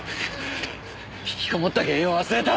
引きこもった原因を忘れた？